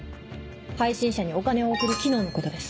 配信者にお金を送る機能のことです。